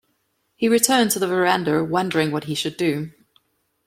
He returned to the verandah wondering what he should do.